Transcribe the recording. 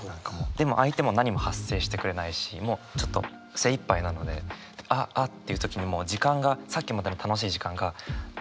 でも相手も何も発声してくれないしもうちょっと精いっぱいなのでああっていう的にもう時間がさっきまでの楽しい時間がぷつんと切れちゃう感じ。